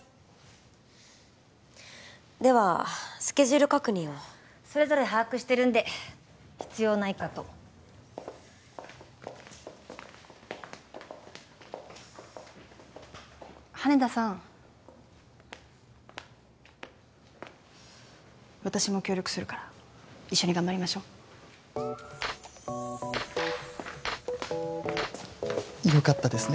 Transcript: ではスケジュール確認をそれぞれ把握してるんで必要ないかと羽田さん私も協力するから一緒に頑張りましょよかったですね